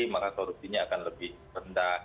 maka korupsinya akan lebih rendah